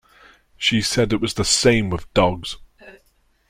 She said it was the same with dogs.